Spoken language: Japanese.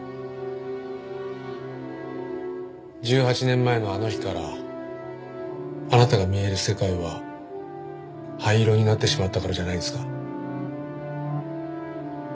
１８年前のあの日からあなたが見える世界は灰色になってしまったからじゃないですか？